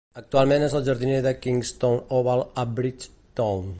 Actualment és el jardiner de Kensington Oval a Bridgetown.